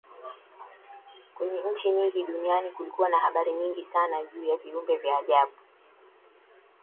Kwenye nchi nyingi duniani kulikuwa na habari nyingi Sana juu ya viumbe vya ajabu